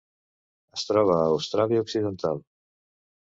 Es troba a Austràlia Occidental.